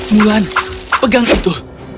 mulan pegang itu